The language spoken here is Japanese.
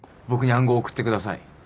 僕に暗号を送ってください。